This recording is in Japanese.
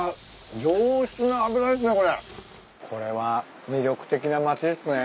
これは魅力的な町っすね。